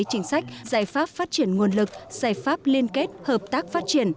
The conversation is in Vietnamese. chính sách giải pháp phát triển nguồn lực giải pháp liên kết hợp tác phát triển